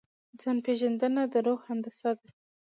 ځان پېژندنه د روح هندسه ده.